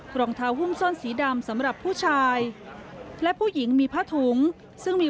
รองเท้าหุ้มส้นสีดำสำหรับผู้ชายและผู้หญิงมีผ้าถุงซึ่งมี